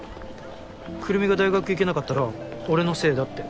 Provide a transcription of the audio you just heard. くるみが大学行けなかったら俺のせいだって。